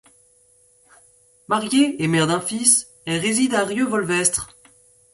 Mariée et mère d'un fils, elle réside à Rieux-Volvestre.